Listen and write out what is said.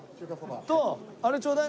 とあれちょうだい。